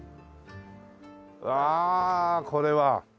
わあこれは！